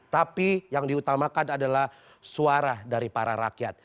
tapi yang diutamakan adalah suara dari para rakyat